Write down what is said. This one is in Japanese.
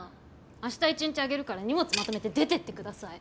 あした１日あげるから荷物まとめて出てってください。